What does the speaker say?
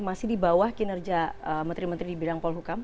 masih di bawah kinerja metri metri di bidang pol hukum